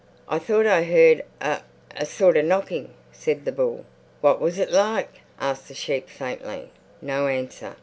"I thought I heard a—a sort of knocking," said the bull. "What was it like?" asked the sheep faintly. No answer.